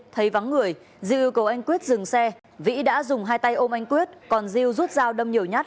thấy vắng người di yêu cầu anh quyết dừng xe vĩ đã dùng hai tay ôm anh quyết còn diêu rút dao đâm nhiều nhát